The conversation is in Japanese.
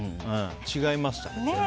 違いましたね。